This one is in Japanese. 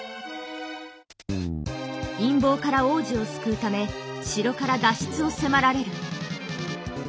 陰謀から皇子を救うため城から脱出を迫られる。